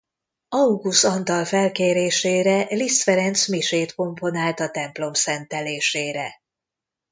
Augusz Antal felkérésére Liszt Ferenc misét komponált a templom szentelésére.